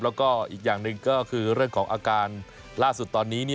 แล้วก็อีกอย่างหนึ่งก็คือเรื่องของอาการล่าสุดตอนนี้